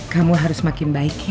kamu harus makin baik ya